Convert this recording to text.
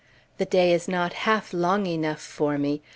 The day is not half long enough for me.